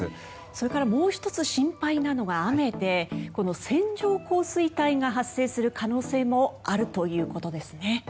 それからもう１つ、心配なのが雨で線状降水帯が発生する可能性もあるということですね。